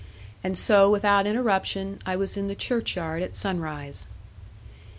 And so, without interruption, I was in the churchyard at sunrise.